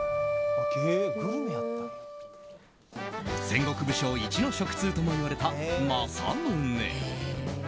戦国武将一の食通ともいわれた政宗。